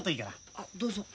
あっどうぞ。